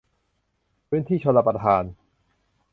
พื้นที่ชลประทาน